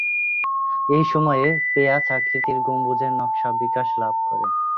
এই সময়ে পেঁয়াজ-আকৃতির গম্বুজের নকশা বিকাশ লাভ করে।